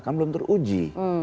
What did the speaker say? kan belum teruji